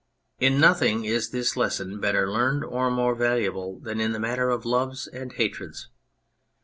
In nothing is this lesson better learned or more valuable than in the matter of loves and hatreds.